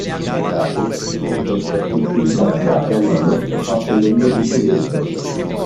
Gli interni presentano soffitti intarsiati a mano e porte in legno di ciliegio.